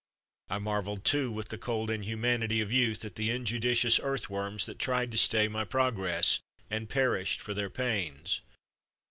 I marvelled, too, with the cold inhumanity of youth, at the injudicious earthworms that tried to stay my progress, and perished for THE BOY IN THE GARDEN 127 their pains.